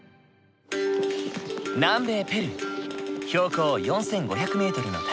南米ペルー標高４，５００ｍの谷。